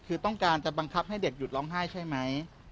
คือต้องการจะบังคับให้เด็กหยุดร้องไห้ใช่ไหม